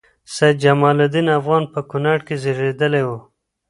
سيدجمال الدين افغان په کونړ کې زیږیدلی وه